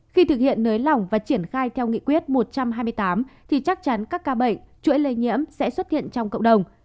khi thực hiện nới lỏng và triển khai theo nghị quyết một trăm hai mươi tám thì chắc chắn các ca bệnh chuỗi lây nhiễm sẽ xuất hiện trong cộng đồng